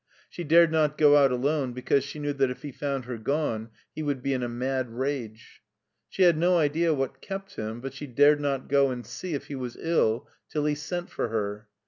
She dared not go out alone because she knew that if he found her gone he would be in a mad rage. She had no idea what kept him, but she dared not go and see if he was ill till he sent, for her.